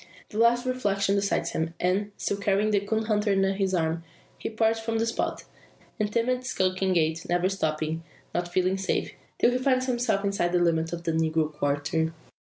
The last reflection decides him; and, still carrying the coon dog under his arm, he parts from the spot, in timid skulking gait, never stopping, not feeling safe, till he finds himself inside the limits of the "negro quarter."